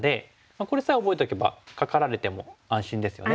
これさえ覚えておけばカカられても安心ですよね。